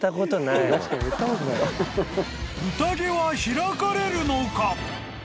［宴は開かれるのか！？］